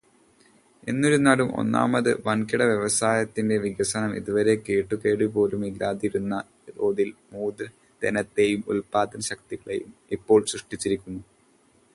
എന്നിരുന്നാലും ഒന്നാമത്, വൻകിടവ്യവസായത്തിന്റെ വികസനം ഇതേവരെ കേട്ടുകേൾവി പോലുമില്ലാതിരുന്ന തോതിൽ മൂലധനത്തേയും ഉല്പാദനശക്തികളേയും ഇപ്പോൾ സൃഷ്ടിച്ചിരിക്കുന്നു.